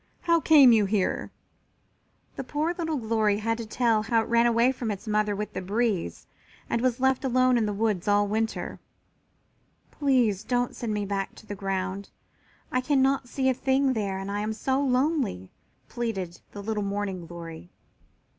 How came you here?" The poor little Glory had to tell how it ran away from its mother with the breeze and was left alone in the woods all winter. "Please don't send me back to the ground. I cannot see a thing there and I am so lonely," pleaded the little Morning glory.